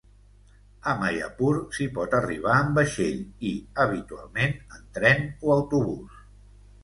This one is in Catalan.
A Mayapur s'hi pot arribar en vaixell i, habitualment, en tren o autobús.